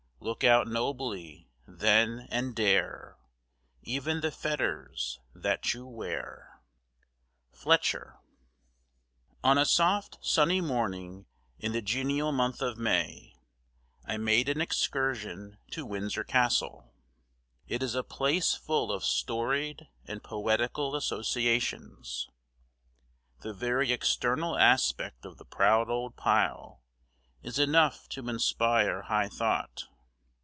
Look out nobly, then, and dare Even the fetters that you wear. FLETCHER. ON a soft sunny morning in the genial month of May I made an excursion to Windsor Castle. It is a place full of storied and poetical associations. The very external aspect of the proud old pile is enough to inspire high thought.